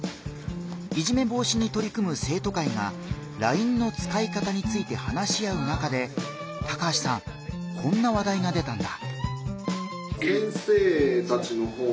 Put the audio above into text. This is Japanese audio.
いじめ防止にとり組む生徒会がＬＩＮＥの使い方について話し合う中で高橋さんこんな話題が出たんだ。